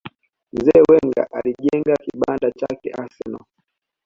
mzee Wenger alijenga kibanda chake arsenal